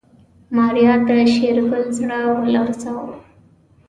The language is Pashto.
ماريا د شېرګل زړه ولړزاوه.